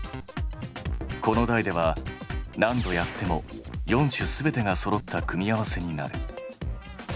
子の代では何度やっても４種全てがそろった組み合わせになる。